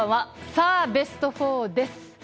さあ、ベスト４です。